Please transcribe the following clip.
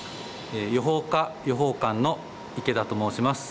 予報課予報官の池田と申します。